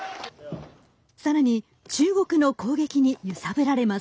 さらに中国の攻撃に揺さぶられます。